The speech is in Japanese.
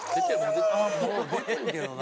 「もう出てるけどな」